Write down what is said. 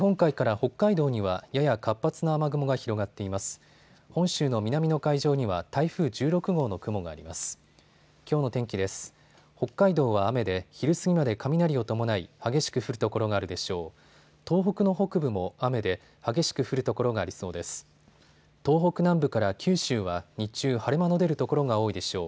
北海道は雨で昼過ぎまで雷を伴い激しく降る所があるでしょう。